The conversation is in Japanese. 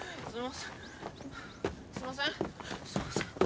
すいません！